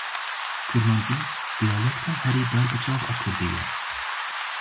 Kurmancî dialekta herî berbiçav a Kurdî ye.